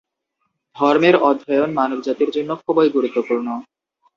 ধর্মের অধ্যয়ন মানবজাতির জন্য খুবই গুরুত্বপূর্ণ।